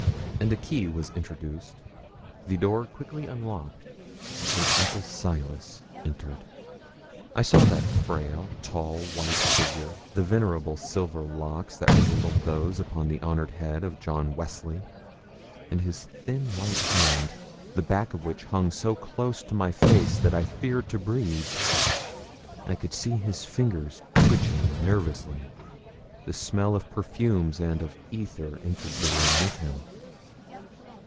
And a key was introduced, the door quickly unlocked, and Uncle Silas entered. I saw that frail, tall, white figure, the venerable silver locks that resembled those upon the honoured head of John Wesley, and his thin white hand, the back of which hung so close to my face that I feared to breathe. I could see his fingers twitching nervously. The smell of perfumes and of ether entered the room with him.